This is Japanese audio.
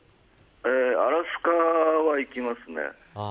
アラスカは行きますね。